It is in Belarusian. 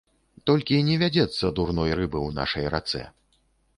Толькі не вядзецца дурной рыбы ў нашай рацэ.